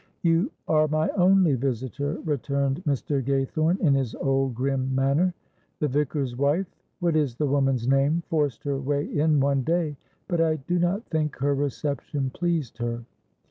"You are my only visitor," returned Mr. Gaythorne, in his old grim manner. "The Vicar's wife what is the woman's name? forced her way in one day, but I do not think her reception pleased her.